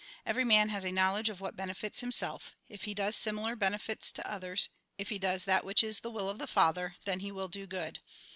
Every man has a knowledge of what benefits himself. If he does similar benefits to others, if he does that which is the will of the Father, then he wUl do good.